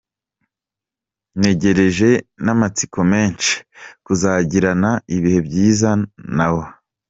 Ntegereje n’amatsiko menshi kuzagirana ibihe byiza na bo.